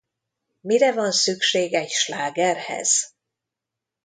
Mire van szükség egy slágerhez?